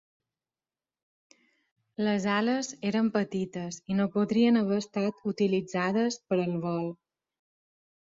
Les ales eren petites i no podrien haver estat utilitzades per al vol.